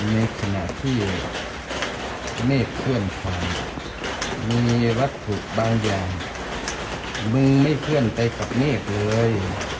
ในขณะที่เมฆเคลื่อนความมีวัตถุบางอย่างมึงไม่เคลื่อนไปกับเมฆเลย